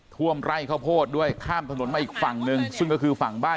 ท่วมไร่ข้าวโพดด้วยข้ามถนนมาอีกฝั่งหนึ่งซึ่งก็คือฝั่งบ้าน